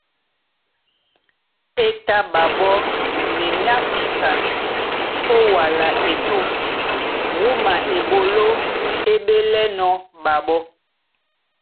É tá ɓaɓɔ́ minyákisan ó wala etûm wúma eɓoló é ɓélɛ́nɔ̄ ɓaɓɔ́.